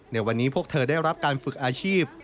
ในวันนี้พวกเธอได้รับการฝึกอาชีพ